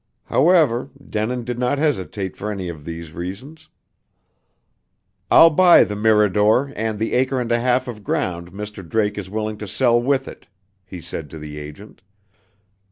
However, Denin did not hesitate for any of these reasons. "I'll buy the Mirador and the acre and a half of ground Mr. Drake is willing to sell with it," he said to the agent.